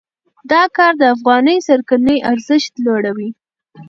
دا کار د افغاني کرنسۍ ارزښت لوړوي.